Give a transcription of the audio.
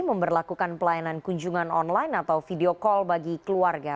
memperlakukan pelayanan kunjungan online atau video call bagi keluarga